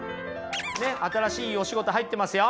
新しいお仕事入ってますよ。